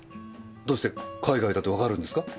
どうして海外だってわかるんですか？